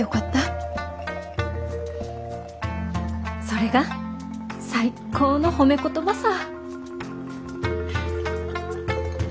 それが最高の褒め言葉さ。